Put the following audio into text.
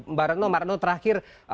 mbak renno mbak renno terakhir